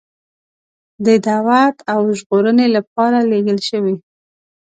د دعوت او ژغورنې لپاره لېږل شوی.